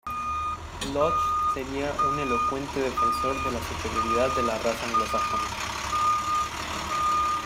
Lodge sería un elocuente defensor de la superioridad de la raza anglosajona.